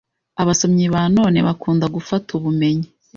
Abasomyi ba none bakunda gufata ubumenyi